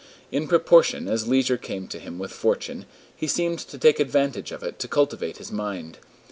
In proportion as leisure came to him with fortune, he seemed to take advantage of it to cultivate his mind.